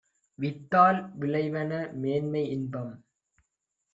வித்தால் விளைவன மேன்மை, இன்பம்!